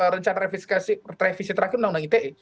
rencana revisi terakhir undang undang ite